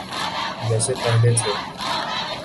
جیسے پہلے تھے۔